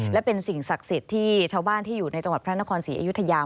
และเป็นสิ่งศักดิ์สิทธิ์ที่ชาวบ้านที่อยู่ในจังหวัดพระนครศรีอยุธยา